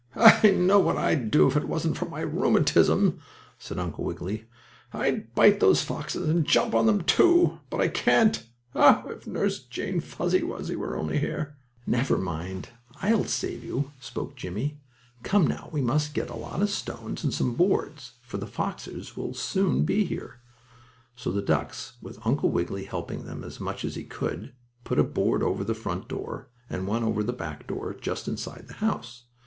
"I know what I'd do, if it wasn't for my rheumatism!" said Uncle Wiggily. "I'd bite those foxes, and jump on them, too, but I can't! Oh, if Nurse Jane Fuzzy Wuzzy were only here!" "Never mind. I will save you," spoke Jimmie. "Come now, we must get a lot of stones and some boards. Hurry, for the foxes will soon be here." So the ducks, with Uncle Wiggily helping them as much as he could, put a board over the front door, and one over the back door, just inside the house.